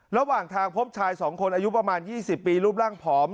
ระหว่างทางพบชาย๒คนอายุประมาณ๒๐ปีรูปร่างผอม